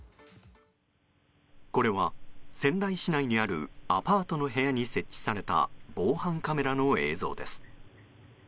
これは仙台市内にあるアパートの部屋に設置された防犯カメラの映像です。